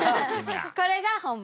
これが本番。